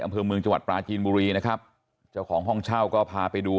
อำเภอเมืองจังหวัดปลาจีนบุรีนะครับเจ้าของห้องเช่าก็พาไปดู